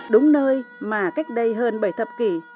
đúng nơi mà cách đây hơn bảy thập kỷ